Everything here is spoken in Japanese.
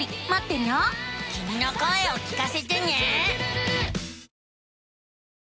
きみの声を聞かせてね。